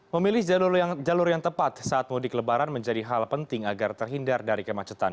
memilih jalur yang tepat saat mudik lebaran menjadi hal penting agar terhindar dari kemacetan